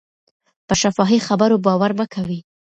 په شفاهي خبرو باور مه کوئ.